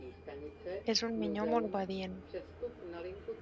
És un minyó molt obedient.